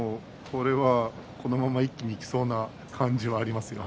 このまま一気にいきそうな感じがありますよ。